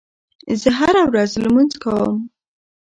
زه هره ورځ لمونځ کوم.